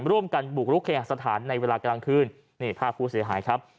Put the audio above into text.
ร่วมกันบุกรุกเคหสถานในเวลากลางคืนนี่ภาพผู้เสียหายครับ